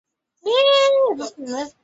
Nlijiunga na wanahabari.